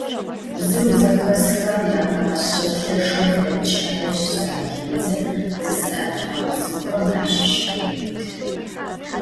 Bzıu zexesxem yak'uaşse, lheşşeu depç'aêşs, zaxêdze, zızı'etıjığe bzıuxem aşış khêubıtı.